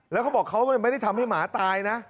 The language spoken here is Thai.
แล้วเขาบอกเขาไม่ได้ทำให้หมาตายนะ